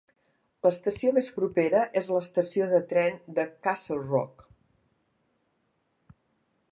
L'estació més propera és l'estació de tren de Castlerock.